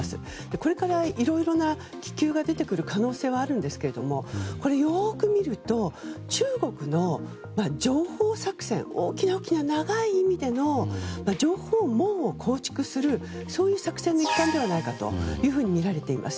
これから、いろいろな気球が可能性はあるんですけどもよく見ると中国の情報作戦大きな大きな長い意味での情報網を構築するそういう作戦の一環ではないかというふうにみられています。